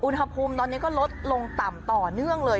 อุณหภูมิตอนนี้ก็ลดลงต่ำต่อเนื่องเลย